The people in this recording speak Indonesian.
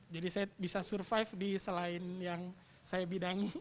jadi saya bisa survive di selain yang saya bidangi